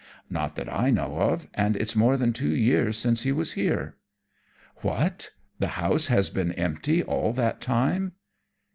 "Not that I know of, and it's more than two years since he was here." "What! The house has been empty all that time?"